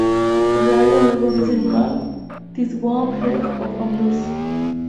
Reagan luego dice "Man, that's one heck of a nurse!